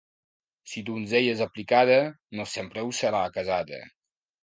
Si donzella és aplicada, no sempre ho serà casada.